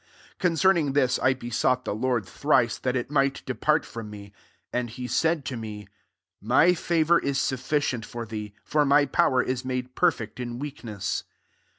] 8 Concerning this, I besought the Lord thrice, that it might depart from me. 9 And he said to me, " My favour is sufficient for thee: for [my] power is made perfect in weakness.